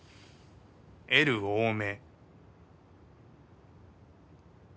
「Ｌ多め」